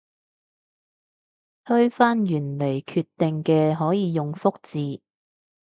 推翻原來決定嘅可以用覆字